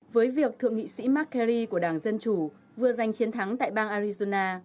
với việc thượng nghị sĩ mark carey của đảng dân chủ vừa giành chiến thắng tại bang arizona